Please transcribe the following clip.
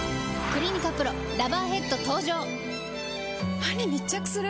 歯に密着する！